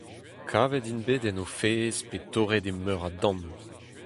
Kavet int bet en o fezh pe torret e meur a damm.